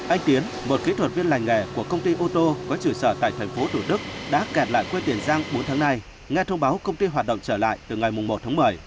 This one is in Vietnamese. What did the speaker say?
anh tiến một kỹ thuật viên lành nghề của công ty ô tô có trụ sở tại thành phố thủ đức đã kẹt lại quê tiền giang bốn tháng nay nghe thông báo công ty hoạt động trở lại từ ngày một tháng một mươi